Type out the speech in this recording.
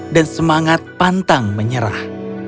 dan semangat pantang menyerah